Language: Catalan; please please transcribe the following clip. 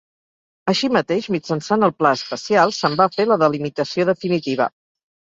Així mateix, mitjançant el Pla especial se'n va fer la delimitació definitiva.